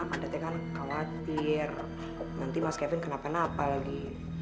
alda tekan khawatir nanti mas kevin kenapa kenapa lagi